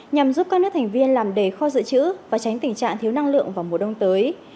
nhằm giúp các nước thành viên làm đề kho dự trữ và tránh tình trạng thiếu năng lượng vào mùa đông tới